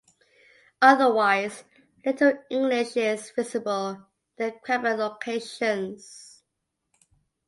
Otherwise, little English is visible in their Quebec locations.